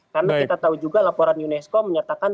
karena kita tahu juga laporan unesco menyatakan